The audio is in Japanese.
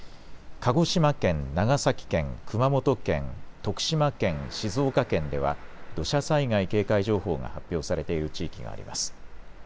鹿児島県、長崎県、熊本県、徳島県、静岡県では、土砂災害警戒情報が発表されている地域があります。